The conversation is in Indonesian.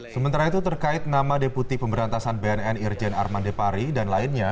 sementara itu terkait nama deputi pemberantasan bnn irjen armandepari dan lainnya